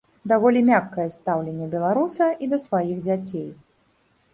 Даволі мяккае стаўленне беларуса і да сваіх дзяцей.